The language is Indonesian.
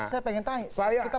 saya pengen tahu kita pengen tahu